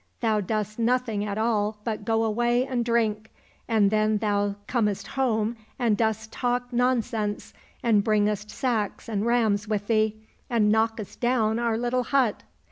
Thou dost nothing at all but go away and drink, and then thou comest home and dost talk nonsense, and bringest sacks and rams with thee, and knockest down our little hut."